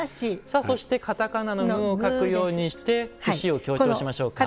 さあそして片仮名のムを書くようにして節を強調しましょうか。